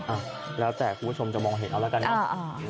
อ่ะแล้วแต่คุณผู้ชมจะมองเห็นเอาแล้วกันเนอะ